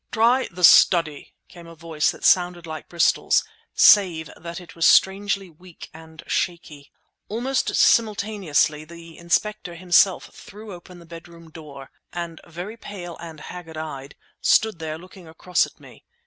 "Try the study!" came a voice that sounded like Bristol's, save that it was strangely weak and shaky. Almost simultaneously the Inspector himself threw open the bedroom door—and, very pale and haggard eyed, stood there looking across at me.